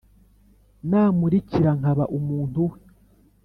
namukirira nkaba umuntu we